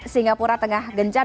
singapura tengah gencar